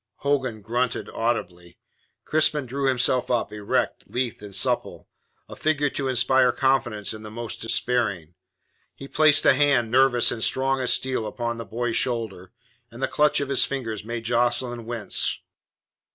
Hogan grunted audibly. Crispin drew himself up, erect, lithe and supple a figure to inspire confidence in the most despairing. He placed a hand, nervous, and strong as steel, upon the boy's shoulder, and the clutch of his fingers made Jocelyn wince.